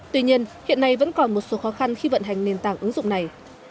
tuy nhiên hiện nay vẫn còn một số khó khăn khi vận hành nền tảng ứng dụng này